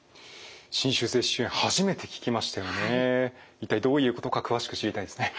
一体どういうことか詳しく知りたいですね。